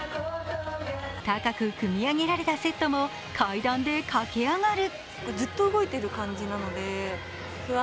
高く組み上げられたセットも階段で駆け上がる。